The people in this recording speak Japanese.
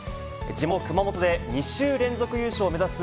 地元、熊本で２週連続優勝を目指す